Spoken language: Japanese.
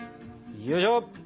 よいしょ。